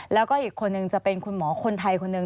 แล้วก็อีกคนนึงจะเป็นคุณหมอคนไทยคนหนึ่ง